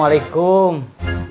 oh jadi ini atur atur apa